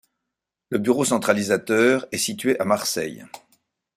Le bureau centralisateur est situé à Marseille.